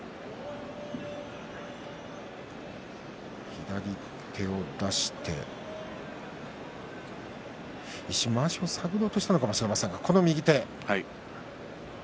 左手を出して一瞬、まわしを探ろうとしたのかもしれませんが右手。